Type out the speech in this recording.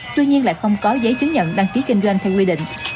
tuy nhiên lại không có giấy chứng nhận đăng ký kinh doanh theo quy định